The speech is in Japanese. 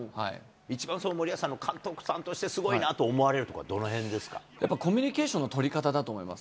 一番森保さんの監督さんとしてすごいなと思われるとこはどのやっぱりコミュニケーションの取り方だと思います。